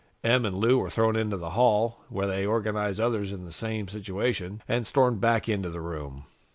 Em and Lou were thrown into the hall, where they organized others in the same situation, and stormed back into the room.